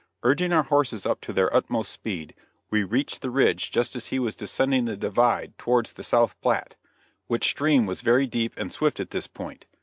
Urging our horses up to their utmost speed, we reached the ridge just as he was descending the divide towards the South Platte, which stream was very deep and swift at this point.